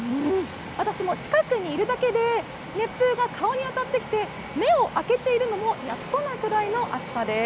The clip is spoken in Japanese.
私も近くにいるだけで熱風が顔に当たってきて、目を開けているのもやっとなくらいの熱さです。